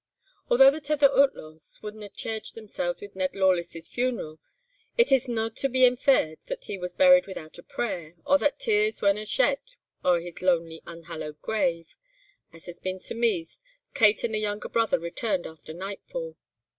"Although the tither ootlaws wadna chairge themselves with Ned Lawless' funeral, it is no' to be infaired that he was buried without a prayer, or that tears werena shed o'er his lonely unhallowed grave. As had been surmeesed, Kate and the younger brother returned after nightfall.